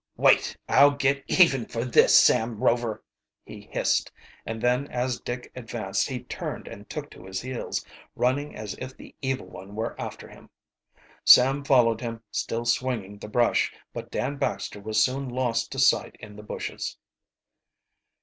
"Wait, I'll get even for this, Sam Rover!" he hissed, and then as Dick advanced he turned and took to his heels, running as if the Evil One were after him. Sam followed him, still swinging the brush, but Dan Baxter was soon lost to sight in the bushes.